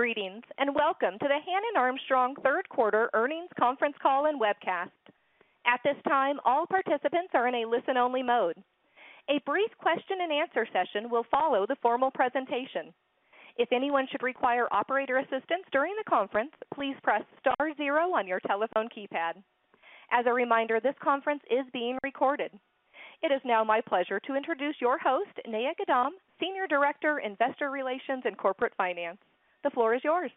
Greetings, and welcome to the Hannon Armstrong third quarter earnings conference call and webcast. At this time, all participants are in a listen-only mode. A brief question-and-answer session will follow the formal presentation. If anyone should require operator assistance during the conference, please press star zero on your telephone keypad. As a reminder, this conference is being recorded. It is now my pleasure to introduce your host, Neha Gaddam, Senior Director, Investor Relations and Corporate Finance. The floor is yours.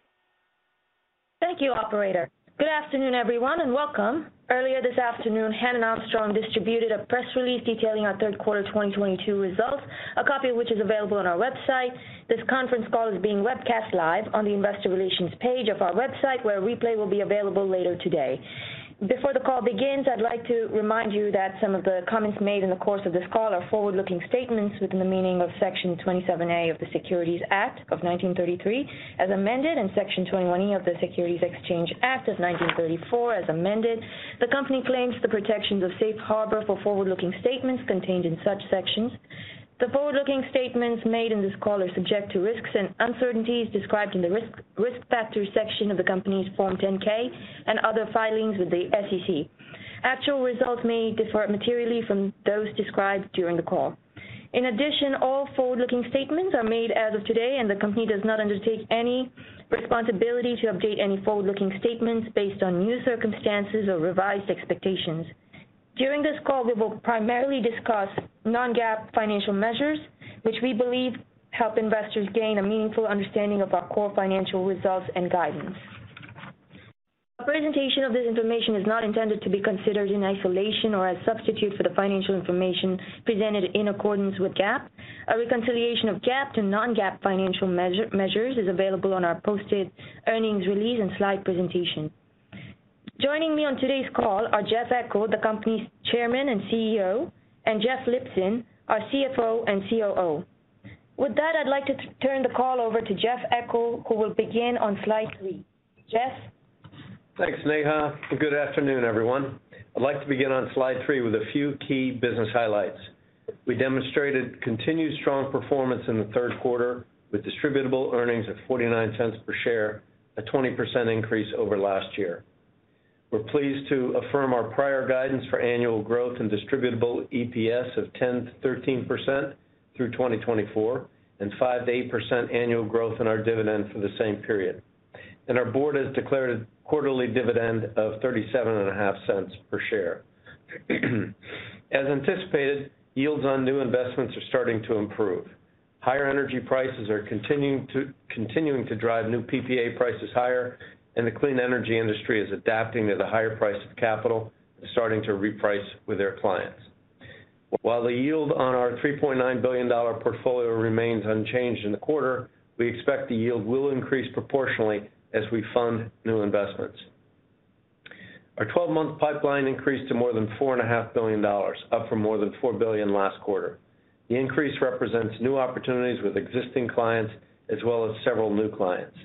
Thank you, operator. Good afternoon, everyone, and welcome. Earlier this afternoon, Hannon Armstrong distributed a press release detailing our third quarter 2022 results, a copy of which is available on our website. This conference call is being webcast live on the Investor Relations page of our website, where a replay will be available later today. Before the call begins, I'd like to remind you that some of the comments made in the course of this call are forward-looking statements within the meaning of Section 27A of the Securities Act of 1933, as amended, and Section 21E of the Securities Exchange Act of 1934, as amended. The company claims the protections of safe harbor for forward-looking statements contained in such sections. The forward-looking statements made in this call are subject to risks and uncertainties described in the risk factors section of the company's Form 10-K and other filings with the SEC. Actual results may differ materially from those described during the call. In addition, all forward-looking statements are made as of today, and the company does not undertake any responsibility to update any forward-looking statements based on new circumstances or revised expectations. During this call, we will primarily discuss non-GAAP financial measures, which we believe help investors gain a meaningful understanding of our core financial results and guidance. A presentation of this information is not intended to be considered in isolation or as a substitute for the financial information presented in accordance with GAAP. A reconciliation of GAAP to non-GAAP financial measures is available on our posted earnings release and slide presentation. Joining me on today's call are Jeff Eckel, the company's Chairman and CEO, and Jeffrey Lipson, our CFO and COO. With that, I'd like to turn the call over to Jeff Eckel, who will begin on slide three. Jeff? Thanks, Neha. Good afternoon, everyone. I'd like to begin on slide three with a few key business highlights. We demonstrated continued strong performance in the third quarter with distributable earnings of $0.49 per share, a 20% increase over last year. We're pleased to affirm our prior guidance for annual growth and distributable EPS of 10%-13% through 2024 and 5%-8% annual growth in our dividend for the same period. Our Board has declared a quarterly dividend of $0.375 per share. As anticipated, yields on new investments are starting to improve. Higher energy prices are continuing to drive new PPA prices higher, and the clean energy industry is adapting to the higher price of capital and starting to reprice with their clients. While the yield on our $3.9 billion portfolio remains unchanged in the quarter, we expect the yield will increase proportionally as we fund new investments. Our 12-month pipeline increased to more than $4.5 billion, up from more than $4 billion last quarter. The increase represents new opportunities with existing clients as well as several new clients.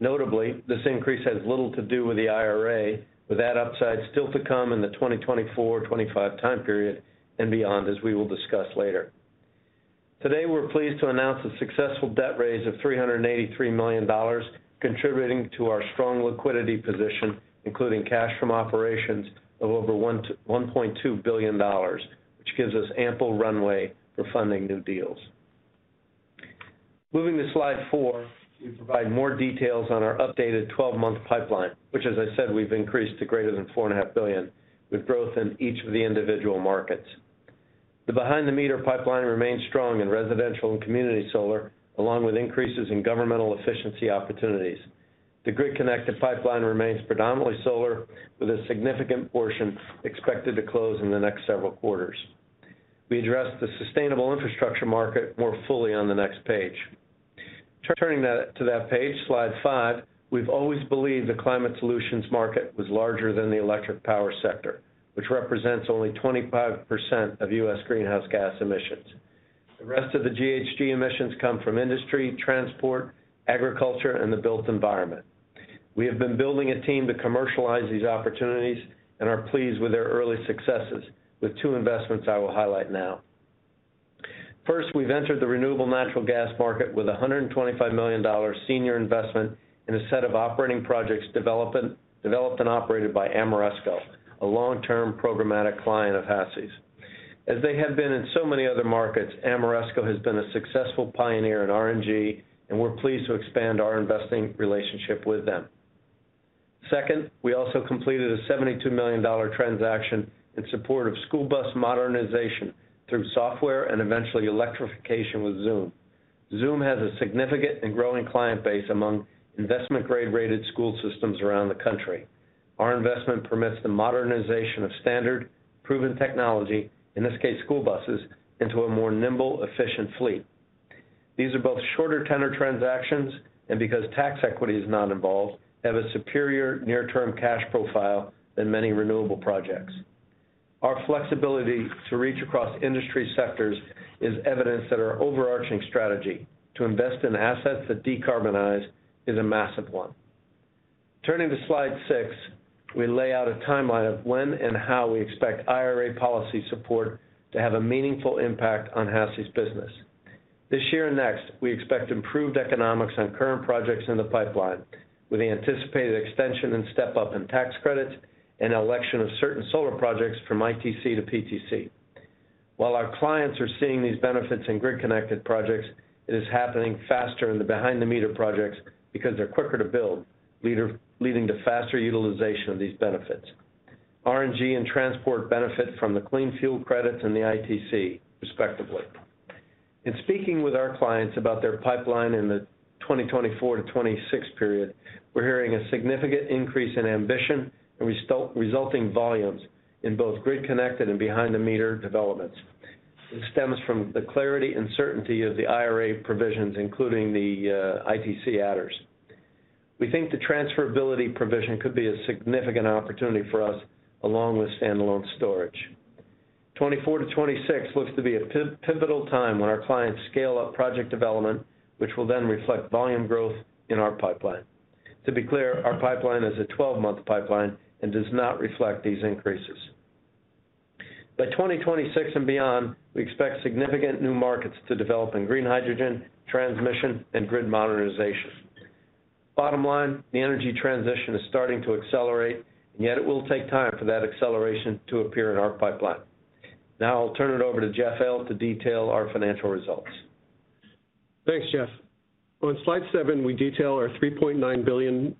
Notably, this increase has little to do with the IRA, with that upside still to come in the 2024, 2025 time period and beyond, as we will discuss later. Today, we're pleased to announce a successful debt raise of $383 million, contributing to our strong liquidity position, including cash from operations of over $1.2 billion, which gives us ample runway for funding new deals. Moving to slide four, we provide more details on our updated 12-month pipeline, which as I said, we've increased to greater than $4.5 billion, with growth in each of the individual markets. The behind-the-meter pipeline remains strong in residential and community solar, along with increases in governmental efficiency opportunities. The grid-connected pipeline remains predominantly solar, with a significant portion expected to close in the next several quarters. We address the sustainable infrastructure market more fully on the next page. Turning to that page, slide five, we've always believed the climate solutions market was larger than the electric power sector, which represents only 25% of U.S. greenhouse gas emissions. The rest of the GHG emissions come from industry, transport, agriculture, and the built environment. We have been building a team to commercialize these opportunities and are pleased with their early successes, with two investments I will highlight now. First, we've entered the renewable natural gas market with a $125 million senior investment in a set of operating projects developed and operated by Ameresco, a long-term programmatic client of HASI's. As they have been in so many other markets, Ameresco has been a successful pioneer in RNG, and we're pleased to expand our investing relationship with them. Second, we also completed a $72 million transaction in support of school bus modernization through software and eventually electrification with Zūm. Zūm has a significant and growing client base among investment grade-rated school systems around the country. Our investment permits the modernization of standard proven technology, in this case, school buses, into a more nimble, efficient fleet. These are both shorter tenor transactions, and because tax equity is not involved, have a superior near-term cash profile than many renewable projects. Our flexibility to reach across industry sectors is evidence that our overarching strategy to invest in assets that decarbonize is a massive one. Turning to slide six, we lay out a timeline of when and how we expect IRA policy support to have a meaningful impact on HASI's business. This year and next, we expect improved economics on current projects in the pipeline with the anticipated extension and step-up in tax credits and election of certain solar projects from ITC to PTC. While our clients are seeing these benefits in grid-connected projects, it is happening faster in the behind-the-meter projects because they're quicker to build, leading to faster utilization of these benefits. RNG and transport benefit from the clean fuel credits and the ITC respectively. In speaking with our clients about their pipeline in the 2024-2026 period, we're hearing a significant increase in ambition and resulting volumes in both grid-connected and behind-the-meter developments. This stems from the clarity and certainty of the IRA provisions, including the ITC adders. We think the transferability provision could be a significant opportunity for us, along with standalone storage. 2024-2026 looks to be a pivotal time when our clients scale up project development, which will then reflect volume growth in our pipeline. To be clear, our pipeline is a 12-month pipeline and does not reflect these increases. By 2026 and beyond, we expect significant new markets to develop in green hydrogen, transmission, and grid modernization. Bottom line, the energy transition is starting to accelerate, and yet it will take time for that acceleration to appear in our pipeline. Now I'll turn it over to Jeff Lipson to detail our financial results. Thanks, Jeff. On slide seven, we detail our $3.9 billion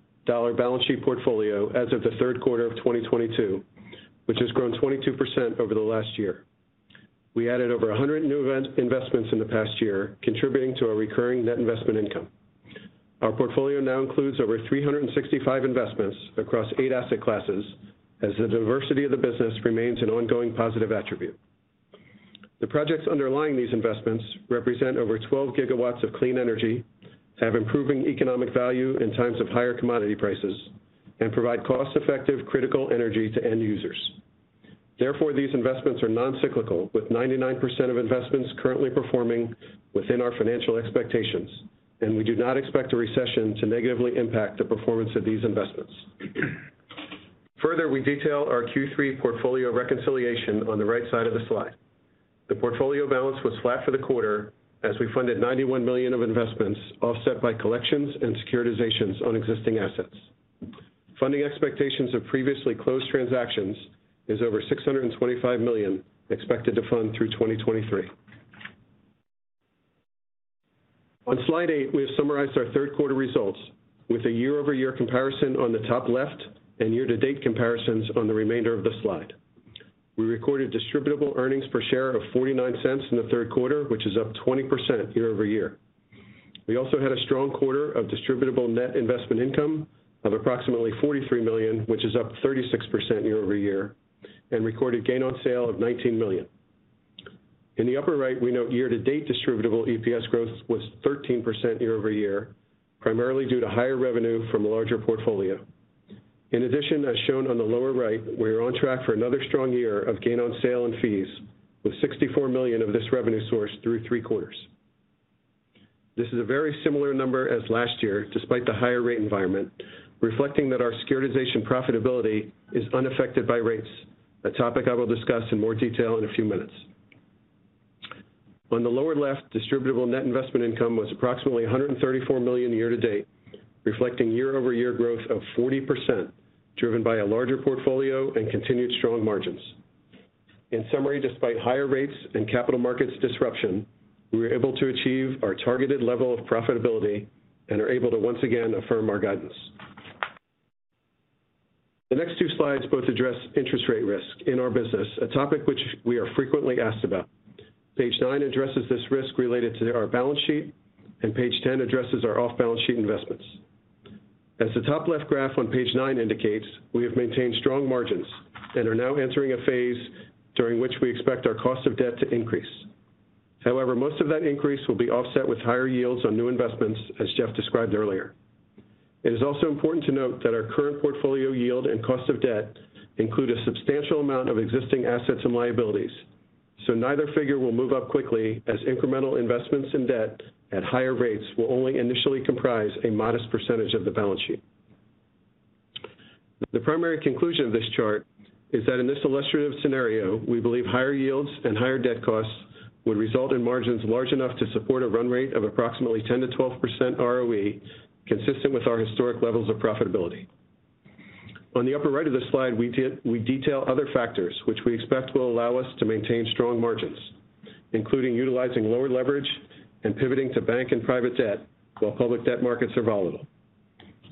balance sheet portfolio as of the third quarter of 2022, which has grown 22% over the last year. We added over 100 new investments in the past year, contributing to our recurring net investment income. Our portfolio now includes over 365 investments across eight asset classes, as the diversity of the business remains an ongoing positive attribute. The projects underlying these investments represent over 12 GW of clean energy, have improving economic value in times of higher commodity prices, and provide cost-effective critical energy to end users. Therefore, these investments are non-cyclical, with 99% of investments currently performing within our financial expectations, and we do not expect a recession to negatively impact the performance of these investments. Further, we detail our Q3 portfolio reconciliation on the right side of the slide. The portfolio balance was flat for the quarter as we funded $91 million of investments, offset by collections and securitizations on existing assets. Funding expectations of previously closed transactions is over $625 million expected to fund through 2023. On slide eight, we have summarized our third quarter results with a year-over-year comparison on the top left and year-to-date comparisons on the remainder of the slide. We recorded distributable earnings per share of $0.49 in the third quarter, which is up 20% year-over-year. We also had a strong quarter of distributable net investment income of approximately $43 million, which is up 36% year-over-year, and recorded gain on sale of $19 million. In the upper right, we note year-to-date distributable EPS growth was 13% year-over-year, primarily due to higher revenue from a larger portfolio. In addition, as shown on the lower right, we are on track for another strong year of gain on sale and fees, with $64 million of this revenue source through three quarters. This is a very similar number as last year, despite the higher rate environment, reflecting that our securitization profitability is unaffected by rates, a topic I will discuss in more detail in a few minutes. On the lower left, distributable net investment income was approximately $134 million year-to-date, reflecting year-over-year growth of 40%, driven by a larger portfolio and continued strong margins. In summary, despite higher rates and capital markets disruption, we were able to achieve our targeted level of profitability and are able to once again affirm our guidance. The next two slides both address interest rate risk in our business, a topic which we are frequently asked about. Page nine addresses this risk related to our balance sheet, and page 10 addresses our off-balance sheet investments. As the top left graph on page nine indicates, we have maintained strong margins and are now entering a phase during which we expect our cost of debt to increase. However, most of that increase will be offset with higher yields on new investments, as Jeff described earlier. It is also important to note that our current portfolio yield and cost of debt include a substantial amount of existing assets and liabilities, so neither figure will move up quickly, as incremental investments in debt at higher rates will only initially comprise a modest percentage of the balance sheet. The primary conclusion of this chart is that in this illustrative scenario, we believe higher yields and higher debt costs would result in margins large enough to support a run rate of approximately 10%-12% ROE, consistent with our historic levels of profitability. On the upper right of the slide, we detail other factors which we expect will allow us to maintain strong margins, including utilizing lower leverage and pivoting to bank and private debt while public debt markets are volatile.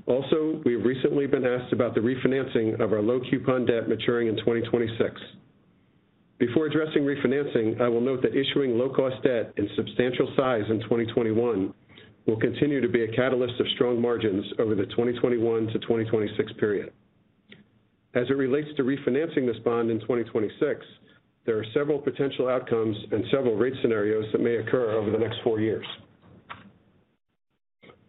Also, we have recently been asked about the refinancing of our low-coupon debt maturing in 2026. Before addressing refinancing, I will note that issuing low-cost debt in substantial size in 2021 will continue to be a catalyst of strong margins over the 2021-2026 period. As it relates to refinancing this bond in 2026, there are several potential outcomes and several rate scenarios that may occur over the next four years.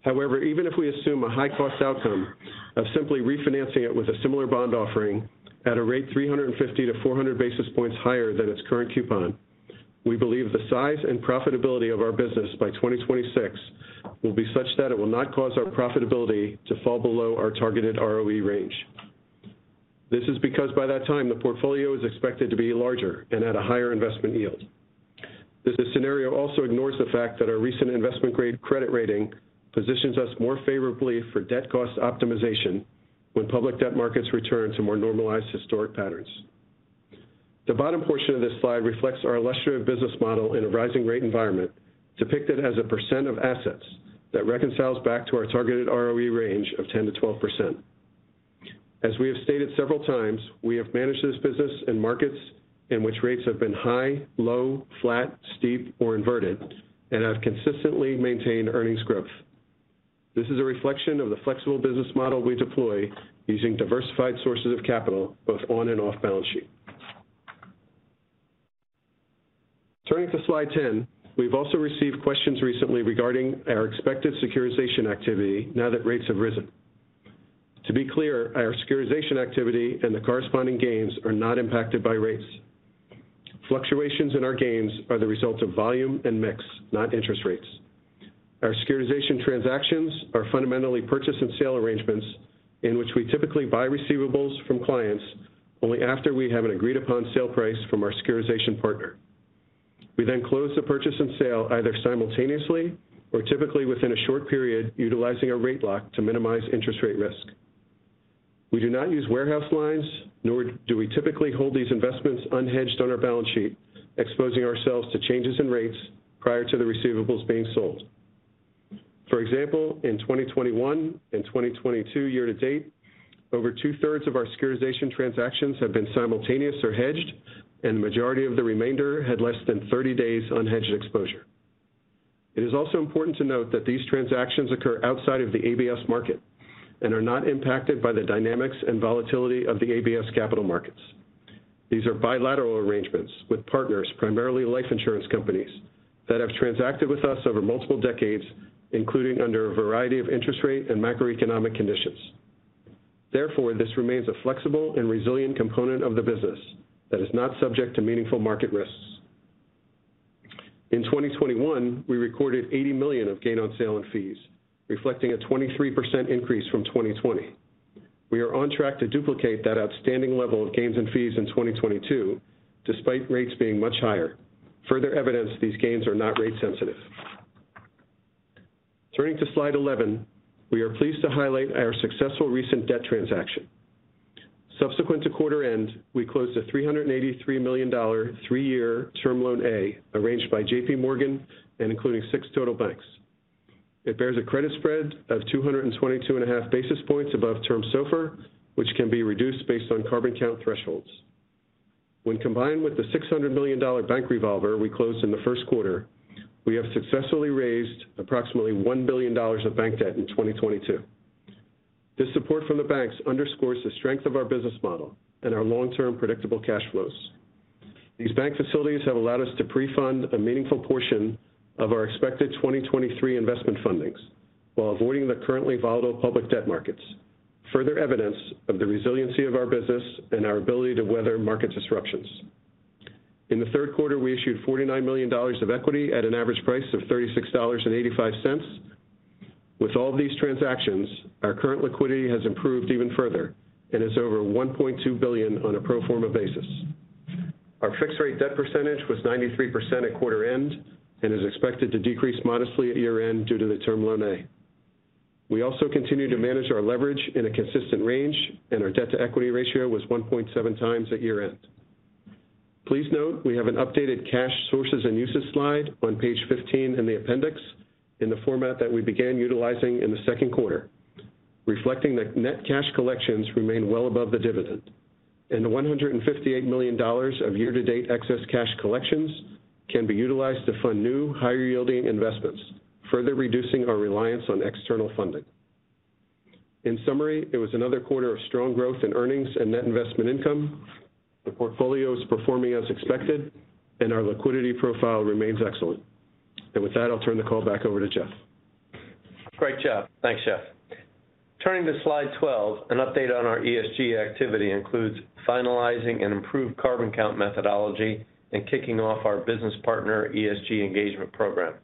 However, even if we assume a high-cost outcome of simply refinancing it with a similar bond offering at a rate 350-400 basis points higher than its current coupon. We believe the size and profitability of our business by 2026 will be such that it will not cause our profitability to fall below our targeted ROE range. This is because by that time, the portfolio is expected to be larger and at a higher investment yield. This scenario also ignores the fact that our recent investment grade credit rating positions us more favorably for debt cost optimization when public debt markets return to more normalized historic patterns. The bottom portion of this slide reflects our illustrative business model in a rising rate environment, depicted as a percent of assets that reconciles back to our targeted ROE range of 10%-12%. As we have stated several times, we have managed this business in markets in which rates have been high, low, flat, steep, or inverted, and have consistently maintained earnings growth. This is a reflection of the flexible business model we deploy using diversified sources of capital, both on and off balance sheet. Turning to slide 10. We've also received questions recently regarding our expected securitization activity now that rates have risen. To be clear, our securitization activity and the corresponding gains are not impacted by rates. Fluctuations in our gains are the result of volume and mix, not interest rates. Our securitization transactions are fundamentally purchase and sale arrangements in which we typically buy receivables from clients only after we have an agreed upon sale price from our securitization partner. We then close the purchase and sale either simultaneously or typically within a short period, utilizing a rate lock to minimize interest rate risk. We do not use warehouse lines, nor do we typically hold these investments unhedged on our balance sheet, exposing ourselves to changes in rates prior to the receivables being sold. For example, in 2021 and 2022 year-to-date, over 2/3 of our securitization transactions have been simultaneous or hedged, and the majority of the remainder had less than 30 days unhedged exposure. It is also important to note that these transactions occur outside of the ABS market and are not impacted by the dynamics and volatility of the ABS capital markets. These are bilateral arrangements with partners, primarily life insurance companies, that have transacted with us over multiple decades, including under a variety of interest rate and macroeconomic conditions. Therefore, this remains a flexible and resilient component of the business that is not subject to meaningful market risks. In 2021, we recorded $80 million of gain on sale and fees, reflecting a 23% increase from 2020. We are on track to duplicate that outstanding level of gains and fees in 2022 despite rates being much higher. Further evidence these gains are not rate sensitive. Turning to slide 11. We are pleased to highlight our successful recent debt transaction. Subsequent to quarter end, we closed a $383 million three-year term loan A, arranged by JPMorgan and including six total banks. It bears a credit spread of 222.5 basis points above term SOFR, which can be reduced based on CarbonCount thresholds. When combined with the $600 million bank revolver we closed in the first quarter, we have successfully raised approximately $1 billion of bank debt in 2022. This support from the banks underscores the strength of our business model and our long-term predictable cash flows. These bank facilities have allowed us to pre-fund a meaningful portion of our expected 2023 investment fundings while avoiding the currently volatile public debt markets. Further evidence of the resiliency of our business and our ability to weather market disruptions. In the third quarter, we issued $49 million of equity at an average price of $36.85. With all these transactions, our current liquidity has improved even further and is over $1.2 billion on a pro forma basis. Our fixed rate debt percentage was 93% at quarter end and is expected to decrease modestly at year-end due to the Term Loan A. We also continue to manage our leverage in a consistent range, and our debt to equity ratio was 1.7x at year-end. Please note we have an updated cash sources and uses slide on page 15 in the appendix in the format that we began utilizing in the second quarter, reflecting that net cash collections remain well above the dividend. The $158 million of year-to-date excess cash collections can be utilized to fund new higher yielding investments, further reducing our reliance on external funding. In summary, it was another quarter of strong growth in earnings and net investment income. The portfolio is performing as expected and our liquidity profile remains excellent. With that, I'll turn the call back over to Jeff. Great job. Thanks, Jeff. Turning to slide 12, an update on our ESG activity includes finalizing an improved CarbonCount methodology and kicking off our business partner ESG engagement program.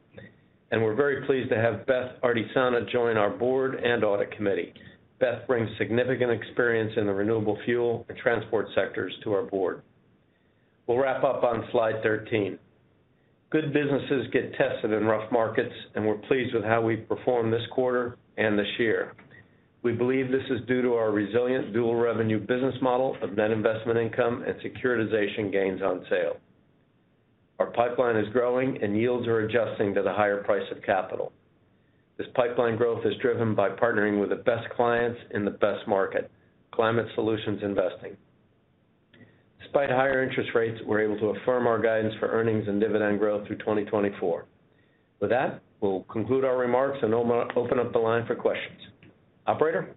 We're very pleased to have Beth Ardizzone join our Board and Audit Committee. Beth brings significant experience in the renewable fuel and transport sectors to our Board. We'll wrap up on slide 13. Good businesses get tested in rough markets, and we're pleased with how we've performed this quarter and this year. We believe this is due to our resilient dual revenue business model of net investment income and securitization gains on sale. Our pipeline is growing and yields are adjusting to the higher price of capital. This pipeline growth is driven by partnering with the best clients in the best market, climate solutions investing. Despite higher interest rates, we're able to affirm our guidance for earnings and dividend growth through 2024. With that, we'll conclude our remarks and open up the line for questions. Operator?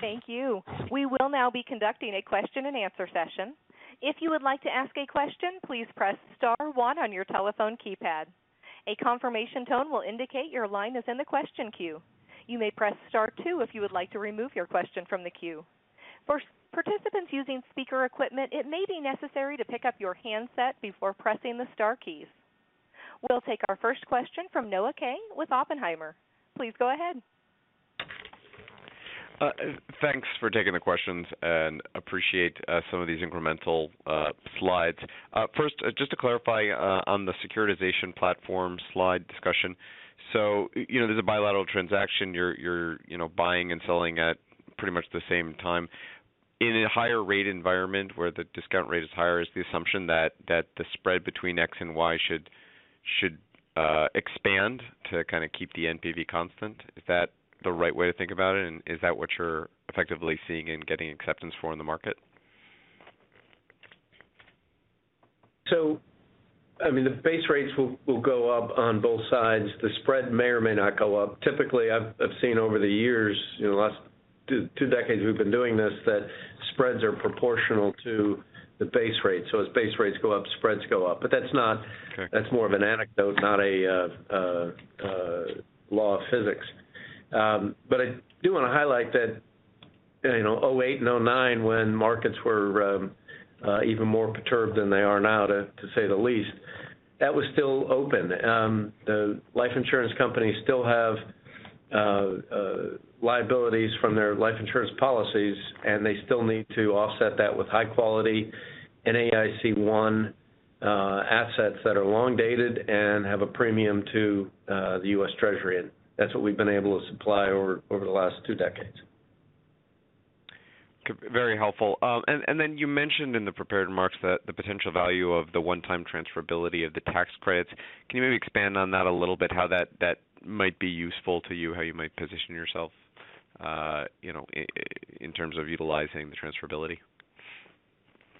Thank you. We will now be conducting a question-and-answer session. If you would like to ask a question, please press star one on your telephone keypad. A confirmation tone will indicate your line is in the question queue. You may press star two if you would like to remove your question from the queue. For participants using speaker equipment, it may be necessary to pick up your handset before pressing the star keys. We'll take our first question from Noah Kaye with Oppenheimer. Please go ahead. Thanks for taking the questions and appreciate some of these incremental slides. First, just to clarify, on the securitization platform slide discussion. You know, there's a bilateral transaction. You're you know, buying and selling at pretty much the same time. In a higher rate environment where the discount rate is higher, is the assumption that the spread between X and Y should expand to kind of keep the NPV constant? Is that the right way to think about it? Is that what you're effectively seeing and getting acceptance for in the market? I mean, the base rates will go up on both sides. The spread may or may not go up. Typically, I've seen over the years, in the last two decades we've been doing this, that spreads are proportional to the base rate. As base rates go up, spreads go up. But that's not. Okay. That's more of an anecdote, not a law of physics. I do wanna highlight that, you know, 2008 and 2009 when markets were even more perturbed than they are now, to say the least, that was still open. The life insurance companies still have liabilities from their life insurance policies, and they still need to offset that with high quality NAIC 1 assets that are long-dated and have a premium to the U.S. Treasury. That's what we've been able to supply over the last two decades. Very helpful. You mentioned in the prepared remarks that the potential value of the one-time transferability of the tax credits. Can you maybe expand on that a little bit, how that might be useful to you, how you might position yourself, you know, in terms of utilizing the transferability?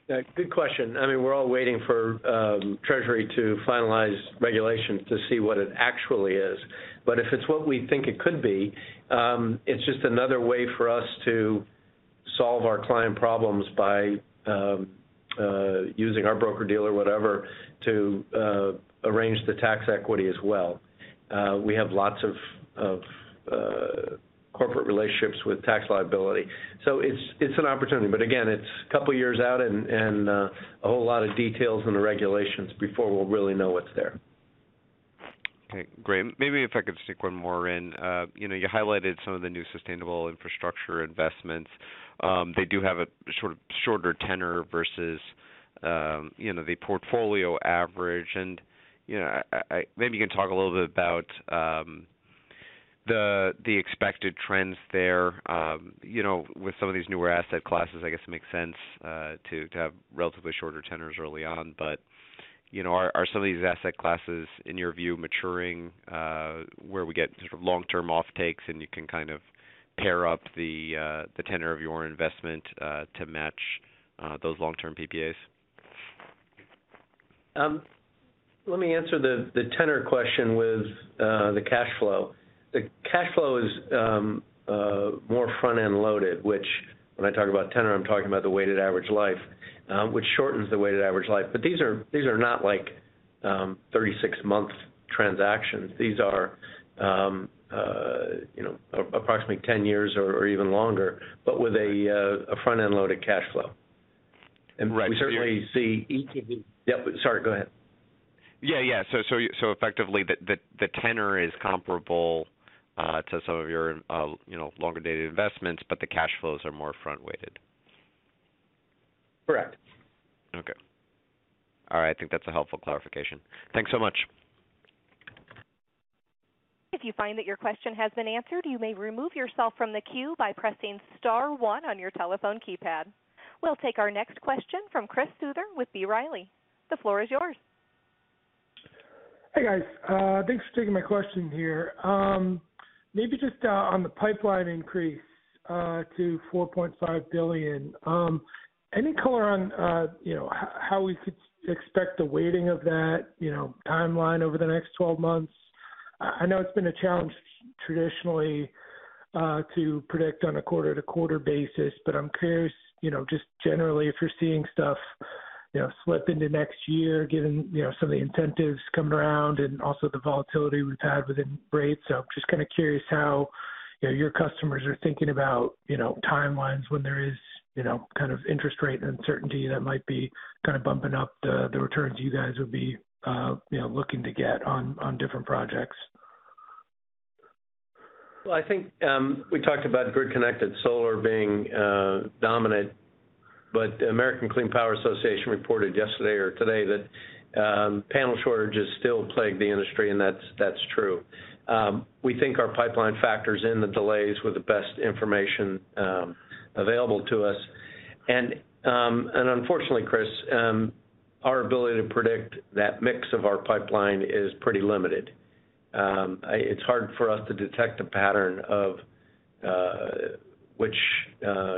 Yeah, good question. I mean, we're all waiting for Treasury to finalize regulations to see what it actually is. If it's what we think it could be, it's just another way for us to solve our client problems by using our broker-dealer or whatever to arrange the tax equity as well. We have lots of corporate relationships with tax liability, so it's an opportunity. Again, it's a couple years out and a whole lot of details in the regulations before we'll really know what's there. Okay, great. Maybe if I could stick one more in. You know, you highlighted some of the new sustainable infrastructure investments. They do have a sort of shorter tenor versus you know, the portfolio average. You know, maybe you can talk a little bit about the expected trends there. You know, with some of these newer asset classes, I guess it makes sense to have relatively shorter tenors early on. You know, are some of these asset classes, in your view, maturing where we get long-term offtakes and you can kind of pair up the tenor of your investment to match those long-term PPAs? Let me answer the tenor question with the cash flow. The cash flow is more front-end loaded, which when I talk about tenor, I'm talking about the weighted average life, which shortens the weighted average life. But these are not like 36-month transactions. These are, you know, approximately 10 years or even longer, but with a front-end loaded cash flow. Right. We certainly see. ETB. Yep. Sorry, go ahead. Yeah. Effectively, the tenor is comparable to some of your, you know, longer-dated investments, but the cash flows are more front-weighted. Correct. Okay. All right. I think that's a helpful clarification. Thanks so much. If you find that your question has been answered, you may remove yourself from the queue by pressing star one on your telephone keypad. We'll take our next question from Chris Souther with B. Riley. The floor is yours. Hey, guys. Thanks for taking my question here. Maybe just on the pipeline increase to $4.5 billion. Any color on, you know, how we could expect the weighting of that, you know, timeline over the next 12 months? I know it's been a challenge traditionally to predict on a quarter-to-quarter basis, but I'm curious, you know, just generally if you're seeing stuff, you know, slip into next year, given, you know, some of the incentives coming around and also the volatility we've had within rates. Just kinda curious how, you know, your customers are thinking about, you know, timelines when there is, you know, kind of interest rate and uncertainty that might be kind of bumping up the returns you guys would be, you know, looking to get on different projects. Well, I think we talked about grid-connected solar being dominant. American Clean Power Association reported yesterday or today that panel shortages still plague the industry, and that's true. We think our pipeline factors in the delays with the best information available to us. Unfortunately, Chris, our ability to predict that mix of our pipeline is pretty limited. It's hard for us to detect a pattern of which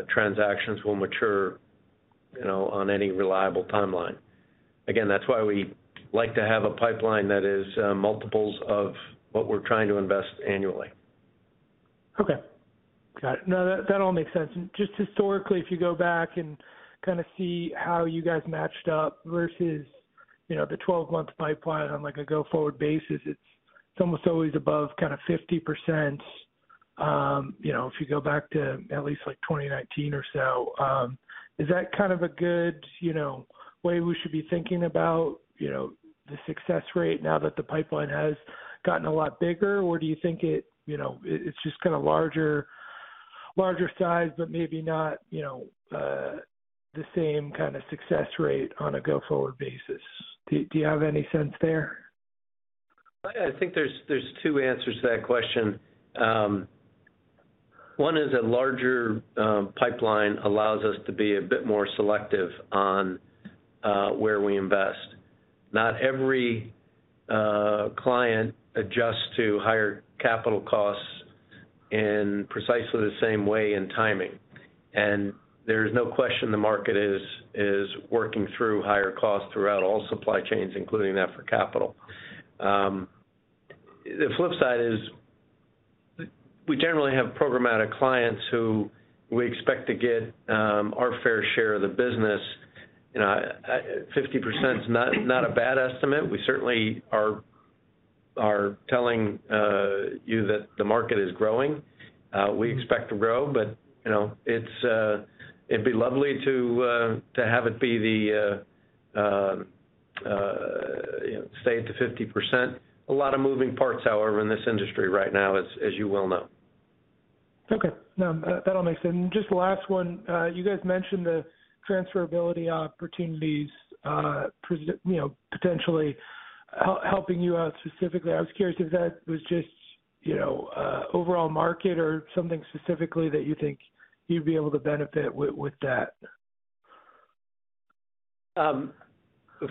transactions will mature, you know, on any reliable timeline. Again, that's why we like to have a pipeline that is multiples of what we're trying to invest annually. Okay. Got it. No, that all makes sense. Just historically, if you go back and kinda see how you guys matched up versus, you know, the 12-month pipeline on like a go-forward basis, it's almost always above kind of 50%, you know, if you go back to at least like 2019 or so. Is that kind of a good, you know, way we should be thinking about, you know, the success rate now that the pipeline has gotten a lot bigger? Or do you think it, you know, it's just kind of larger size, but maybe not, you know, the same kind of success rate on a go-forward basis? Do you have any sense there? I think there's two answers to that question. One is a larger pipeline allows us to be a bit more selective on where we invest. Not every client adjusts to higher capital costs in precisely the same way and timing. There is no question the market is working through higher costs throughout all supply chains, including that for capital. The flip side is we generally have programmatic clients who we expect to get our fair share of the business. You know, 50% is not a bad estimate. We certainly are telling you that the market is growing. We expect to grow, but you know, it's it'd be lovely to have it be the you know stay at the 50%. A lot of moving parts, however, in this industry right now, as you well know. Okay. No, that all makes sense. Just last one. You guys mentioned the transferability opportunities, you know, potentially helping you out specifically. I was curious if that was just, you know, overall market or something specifically that you think you'd be able to benefit with that.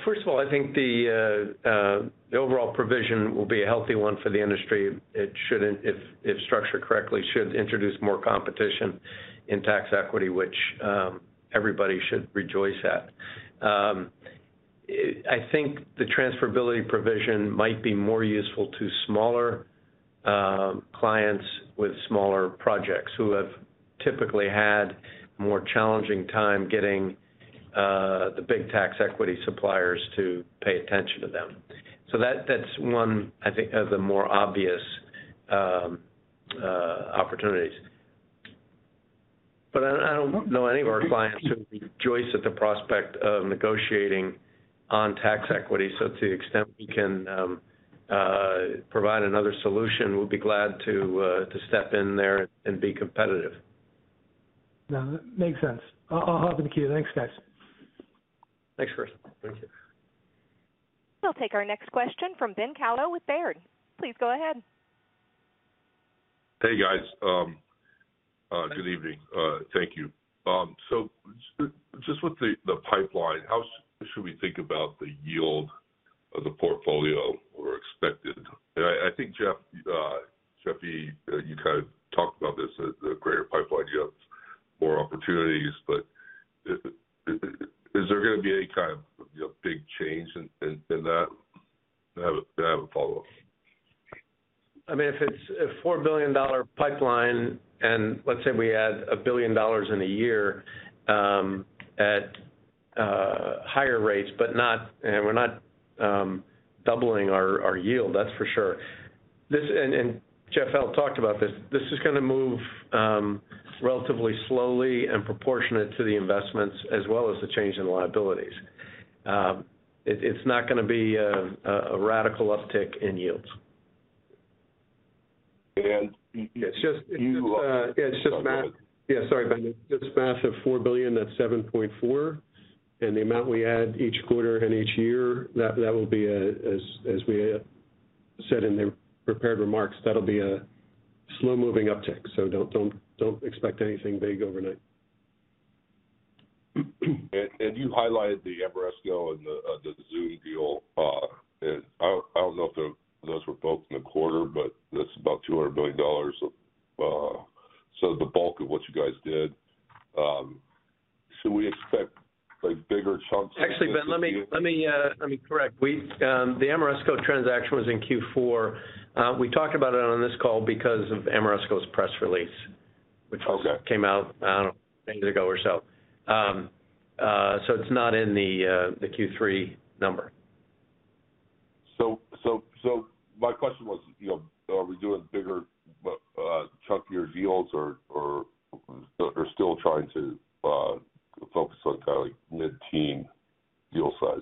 First of all, I think the overall provision will be a healthy one for the industry. If structured correctly, should introduce more competition in tax equity, which everybody should rejoice at. I think the transferability provision might be more useful to smaller clients with smaller projects who have typically had more challenging time getting the big tax equity suppliers to pay attention to them. That's one, I think, of the more obvious opportunities. I don't know any of our clients who rejoice at the prospect of negotiating on tax equity. To the extent we can provide another solution, we'll be glad to step in there and be competitive. No, that makes sense. I'll hop in the queue. Thanks, guys. Thanks, Chris. Thank you. We'll take our next question from Ben Kallo with Baird. Please go ahead. Hey, guys. Good evening. Thank you. Just with the pipeline, how should we think about the yield of the portfolio or expected? I think Jeff Eckel, you kind of talked about this, the greater pipeline yields more opportunities. Is there going to be any kind of, you know, big change in that? I have a follow-up. I mean, if it's a $4 billion pipeline and let's say we add $1 billion in a year, at higher rates, but we're not doubling our yield, that's for sure. This and Jeff Lipson talked about this. This is going to move relatively slowly and proportionate to the investments as well as the change in liabilities. It's not going to be a radical uptick in yields. You. It's just math. Yeah, sorry, Ben. It's just math of $4 billion, that's $7.4 billion. The amount we add each quarter and each year, that will be, as we said in the prepared remarks, that'll be a slow-moving uptick. Don't expect anything big overnight. You highlighted the Ameresco and the Zūm deal. I don't know if those were both in the quarter, but that's about $200 million, so the bulk of what you guys did. Should we expect like bigger chunks? Actually, Ben, let me correct. We, the Ameresco transaction was in Q4. We talked about it on this call because of Ameresco's press release. Okay. Which also came out, I don't know, days ago or so. It's not in the Q3 number. My question was, you know, are we doing bigger, chunkier deals or still trying to focus on kind of like mid-teen deal size?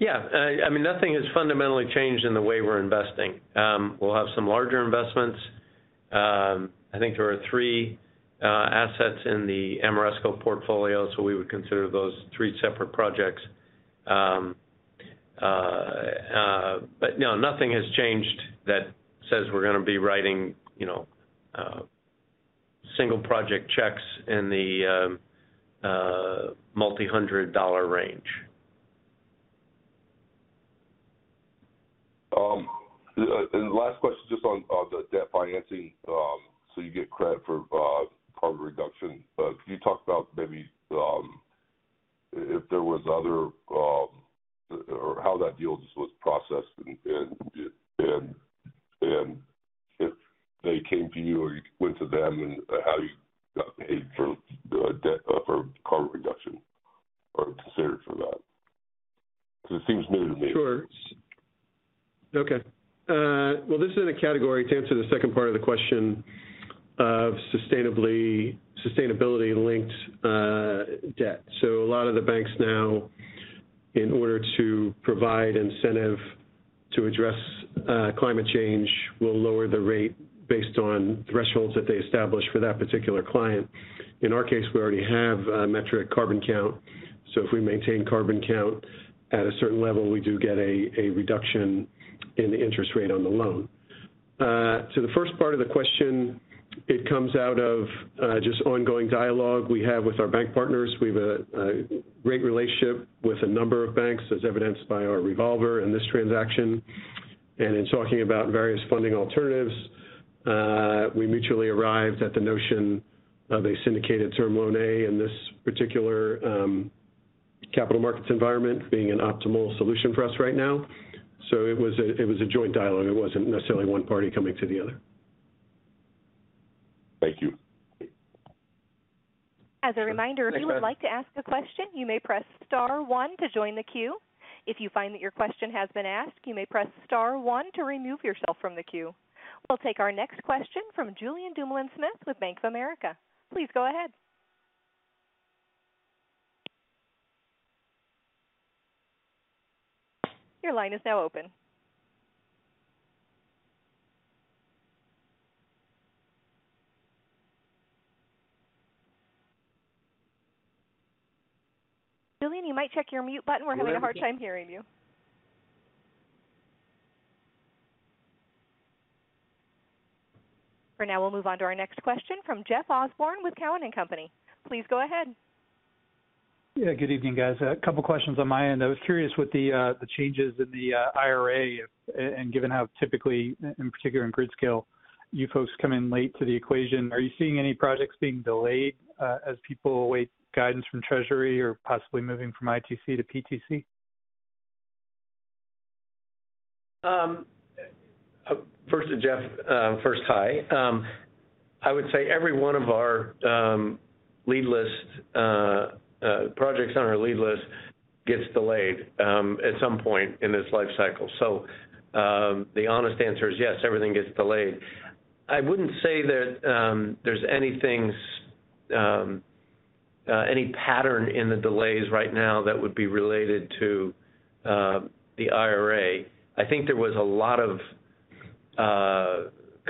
Yeah. I mean, nothing has fundamentally changed in the way we're investing. We'll have some larger investments. I think there are three assets in the Ameresco portfolio, so we would consider those three separate projects. No, nothing has changed that says we're gonna be writing, you know, single project checks in the multi-hundred dollar range. Last question just on the debt financing, so you get credit for carbon reduction. Can you talk about maybe if there was other or how that deal just was processed and they came to you or you went to them, and how you got paid for the debt for carbon reduction or considered for that? Because it seems new to me. Sure. Okay. Well, this is in a category, to answer the second part of the question, of sustainability-linked debt. A lot of the banks now, in order to provide incentive to address climate change, will lower the rate based on thresholds that they establish for that particular client. In our case, we already have a metric CarbonCount, so if we maintain CarbonCount at a certain level, we do get a reduction in the interest rate on the loan. To the first part of the question, it comes out of just ongoing dialogue we have with our bank partners. We have a great relationship with a number of banks as evidenced by our revolver in this transaction. In talking about various funding alternatives, we mutually arrived at the notion of a syndicated Term Loan A in this particular capital markets environment being an optimal solution for us right now. It was a joint dialogue. It wasn't necessarily one party coming to the other. Thank you. As a reminder, if you would like to ask a question, you may press star one to join the queue. If you find that your question has been asked, you may press star one to remove yourself from the queue. We'll take our next question from Julien Dumoulin-Smith with Bank of America. Please go ahead. Your line is now open. Julien, you might check your mute button. We're having a hard time hearing you. For now, we'll move on to our next question from Jeff Osborne with Cowen and Company. Please go ahead. Yeah, good evening, guys. A couple questions on my end. I was curious, with the changes in the IRA and given how typically, in particular in grid scale, you folks come in late to the equation. Are you seeing any projects being delayed, as people await guidance from Treasury or possibly moving from ITC to PTC? First to Jeff. First, hi. I would say every one of our lead list projects on our lead list gets delayed at some point in this life cycle. The honest answer is yes, everything gets delayed. I wouldn't say that there's any things any pattern in the delays right now that would be related to the IRA. I think there was a lot of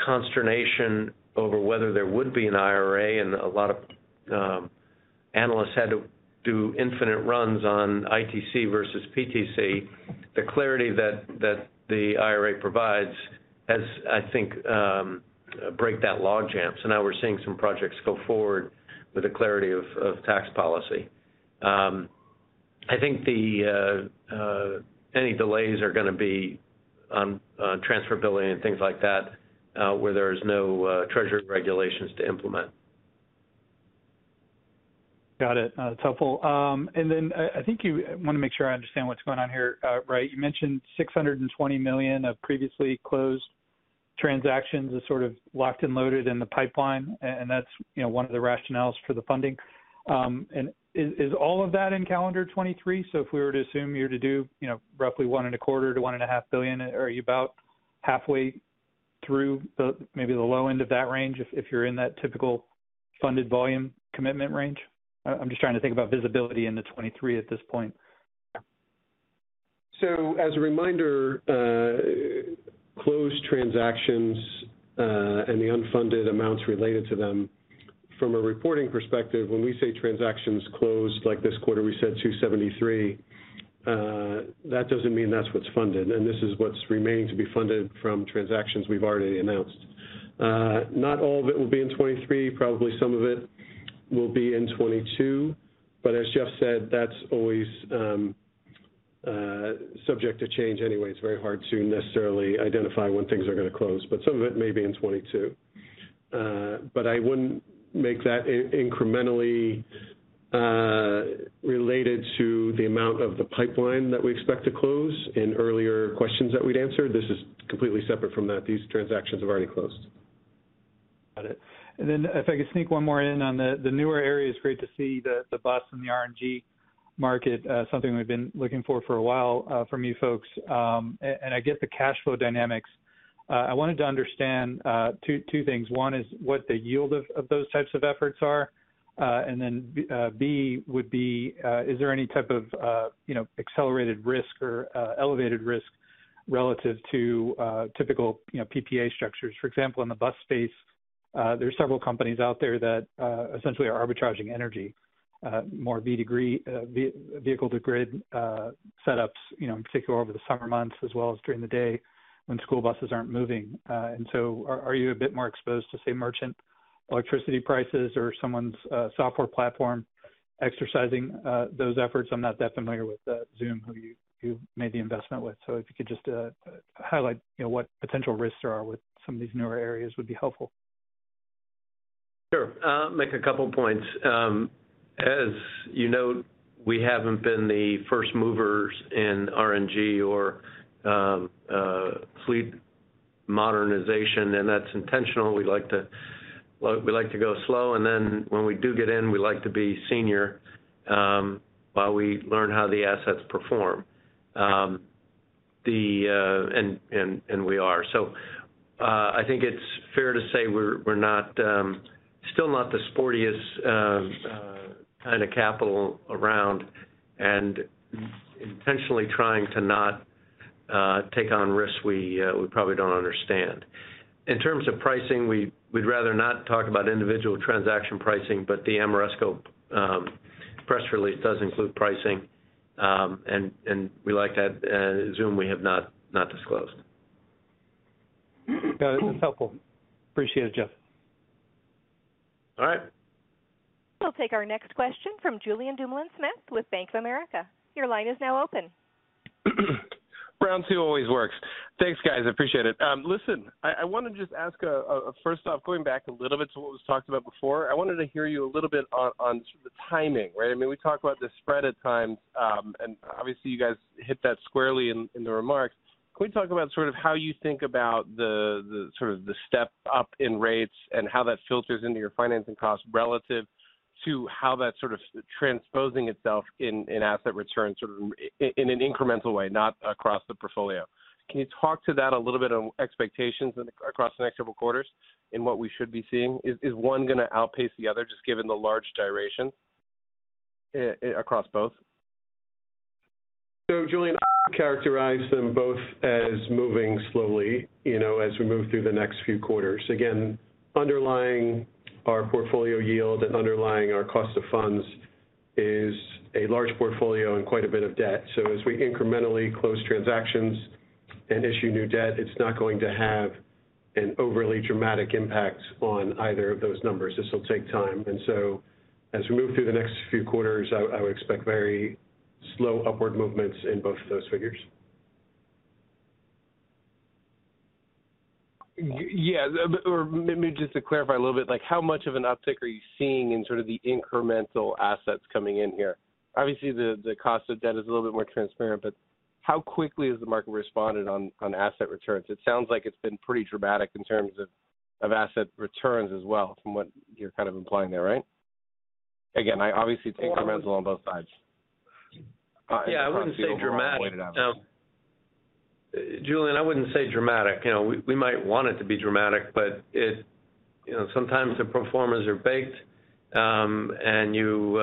consternation over whether there would be an IRA, and a lot of analysts had to do infinite runs on ITC versus PTC. The clarity that the IRA provides has, I think, break that logjam. Now we're seeing some projects go forward with the clarity of tax policy. I think any delays are gonna be on transferability and things like that, where there's no treasury regulations to implement. Got it. That's helpful. I think you—I wanna make sure I understand what's going on here, right. You mentioned $620 million of previously closed transactions as sort of locked and loaded in the pipeline, and that's, you know, one of the rationales for the funding. Is all of that in calendar 2023? If we were to assume you're to do, you know, roughly $1.25 billion-$1.5 billion, are you about halfway through the—maybe the low end of that range if you're in that typical funded volume commitment range? I'm just trying to think about visibility into 2023 at this point. As a reminder, closed transactions and the unfunded amounts related to them from a reporting perspective, when we say transactions closed like this quarter, we said $273, that doesn't mean that's what's funded, and this is what's remaining to be funded from transactions we've already announced. Not all of it will be in 2023. Probably some of it will be in 2022. As Jeff said, that's always subject to change anyway. It's very hard to necessarily identify when things are gonna close, but some of it may be in 2022. I wouldn't make that incrementally related to the amount of the pipeline that we expect to close in earlier questions that we'd answered. This is completely separate from that. These transactions have already closed. Got it. Then if I could sneak one more in on the newer areas, great to see the bus and the RNG market, something we've been looking for for a while from you folks. I get the cash flow dynamics. I wanted to understand two things. One is what the yield of those types of efforts are. B would be, is there any type of you know, accelerated risk or elevated risk relative to typical you know, PPA structures? For example, in the bus space, there's several companies out there that essentially are arbitraging energy, more vehicle-to-grid setups, you know, in particular over the summer months as well as during the day when school buses aren't moving. Are you a bit more exposed to, say, merchant electricity prices or someone's software platform exercising those efforts? I'm not that familiar with the Zūm who you've made the investment with. If you could just highlight, you know, what potential risks there are with some of these newer areas would be helpful. Sure. I'll make a couple points. As you know, we haven't been the first movers in RNG or fleet modernization, and that's intentional. We like to go slow, and then when we do get in, we like to be senior while we learn how the assets perform. I think it's fair to say we're still not the sportiest kind of capital around and intentionally trying to not take on risks we probably don't understand. In terms of pricing, we'd rather not talk about individual transaction pricing, but the Ameresco press release does include pricing. We like to assume we have not disclosed. Got it. That's helpful. Appreciate it, Jeff. All right. We'll take our next question from Julien Dumoulin-Smith with Bank of America. Your line is now open. Round two always works. Thanks, guys, appreciate it. Listen, I wanna just ask first off, going back a little bit to what was talked about before, I wanted to hear you a little bit on sort of the timing, right? I mean, we talked about the spread of time, and obviously you guys hit that squarely in the remarks. Can we talk about sort of how you think about the sort of the step up in rates and how that filters into your financing cost relative to how that's sort of transposing itself in asset returns sort of in an incremental way, not across the portfolio. Can you talk to that a little bit on expectations across the next several quarters in what we should be seeing? Is one gonna outpace the other just given the large duration across both? Julien Dumoulin-Smith, characterize them both as moving slowly, you know, as we move through the next few quarters. Again, underlying our portfolio yield and underlying our cost of funds is a large portfolio and quite a bit of debt. As we incrementally close transactions and issue new debt, it's not going to have an overly dramatic impact on either of those numbers. This will take time. As we move through the next few quarters, I would expect very slow upward movements in both of those figures. Yeah, or maybe just to clarify a little bit, like how much of an uptick are you seeing in sort of the incremental assets coming in here? Obviously, the cost of debt is a little bit more transparent, but how quickly has the market responded on asset returns? It sounds like it's been pretty dramatic in terms of asset returns as well from what you're kind of implying there, right? Again, obviously it's incremental on both sides. Yeah, I wouldn't say dramatic. Now, Julien Dumoulin-Smith, I wouldn't say dramatic. You know, we might want it to be dramatic, but it. You know, sometimes the performance is baked, and you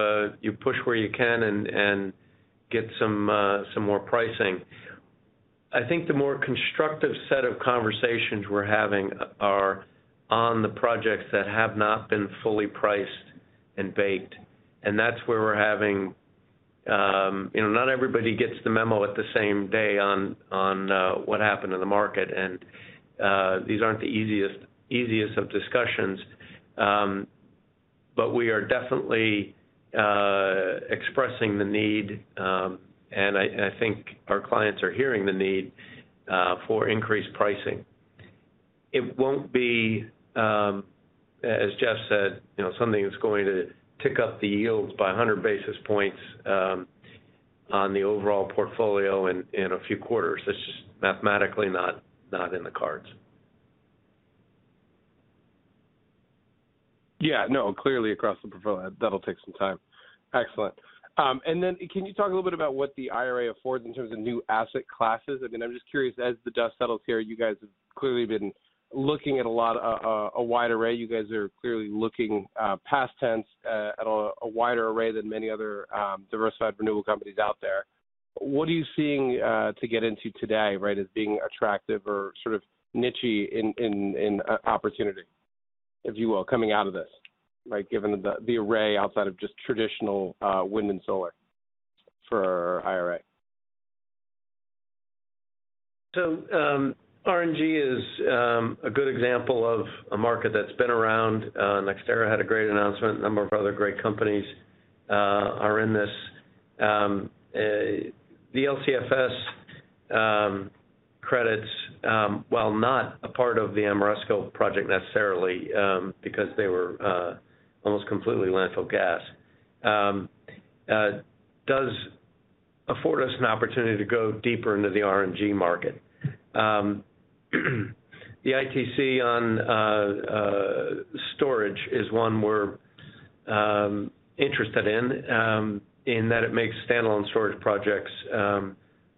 push where you can and get some more pricing. I think the more constructive set of conversations we're having are on the projects that have not been fully priced and baked, and that's where we're having. You know, not everybody gets the memo at the same time on what happened in the market. These aren't the easiest of discussions. But we are definitely expressing the need, and I think our clients are hearing the need for increased pricing. It won't be, as Jeff said, you know, something that's going to tick up the yields by 100 basis points, on the overall portfolio in a few quarters. It's just mathematically not in the cards. Yeah, no, clearly across the portfolio, that'll take some time. Excellent. Can you talk a little bit about what the IRA affords in terms of new asset classes? I mean, I'm just curious, as the dust settles here, you guys have clearly been looking at a lot, a wide array. You guys are clearly looking at a wider array than many other diversified renewable companies out there. What are you seeing to get into today, right, as being attractive or sort of niche-y in opportunity, if you will, coming out of this, right? Given the array outside of just traditional wind and solar for IRA. RNG is a good example of a market that's been around. NextEra had a great announcement. A number of other great companies are in this. The LCFS credits, while not a part of the Ameresco project necessarily, because they were almost completely landfill gas, does afford us an opportunity to go deeper into the RNG market. The ITC on storage is one we're interested in that it makes standalone storage projects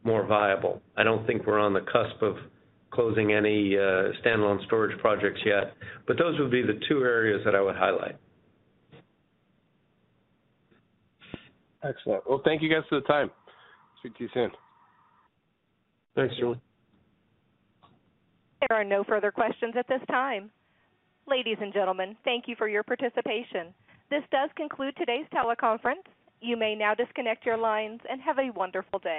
more viable. I don't think we're on the cusp of closing any standalone storage projects yet, but those would be the two areas that I would highlight. Excellent. Well, thank you guys for the time. Speak to you soon. Thanks, Julien. There are no further questions at this time. Ladies and gentlemen, thank you for your participation. This does conclude today's teleconference. You may now disconnect your lines, and have a wonderful day.